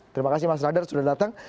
terima kasih mas radar sudah datang